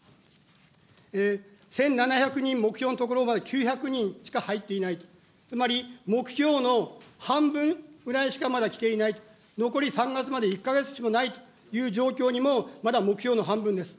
１７００人目標のところ、９００人しか入っていないと、つまり目標の半分ぐらいしかまだきていないと、残り３月まで１か月しかないという状況にも、まだ目標の半分です。